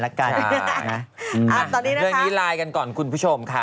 เราอาจจะร่วมนี้กันก่อนกูโชคค่ะ